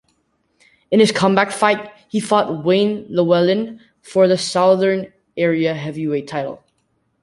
In his comeback fight, he fought Wayne Llewellyn for the Southern Area heavyweight title.